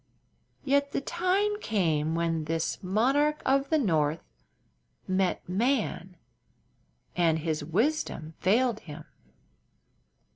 Yet the time came when this monarch of the north met man, and his wisdom failed him.